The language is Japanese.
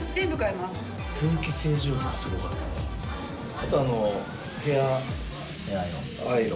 あとあのヘアアイロン。